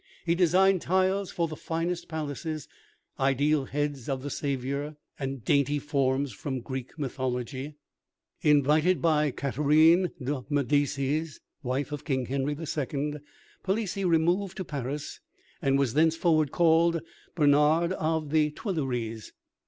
He designed tiles for the finest palaces, ideal heads of the Saviour, and dainty forms from Greek mythology. Invited by Catherine de Medicis, wife of King Henry II., Palissy removed to Paris, and was thenceforward called "Bernard of the Tuileries."